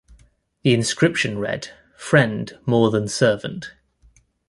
The inscription read: Friend more than Servant.